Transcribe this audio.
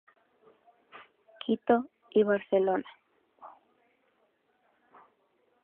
Quito y Barcelona.